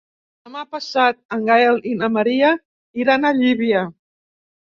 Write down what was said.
Demà passat en Gaël i na Maria iran a Llívia.